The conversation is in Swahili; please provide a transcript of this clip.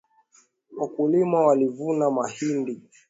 Wakulima walivuna mahindi